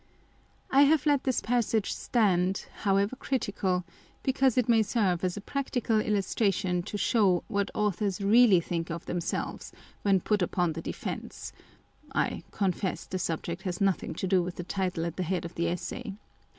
I have let this passage stand (however critical) because it may serve as a practical illustration to show what authors really think of themselves when put upon the defensive â€" (I confess, the subject has nothing to do with the title at the head of the Essay